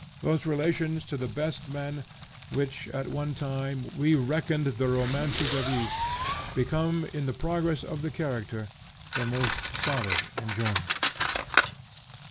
Those relations to the best men, which, at one time, we reckoned the romances of youth, become, in the progress of the character, the most solid enjoyment.